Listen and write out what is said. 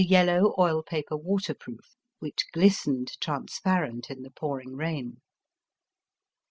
yellow oil paper waterproof which glistened transparent in the pouring rain.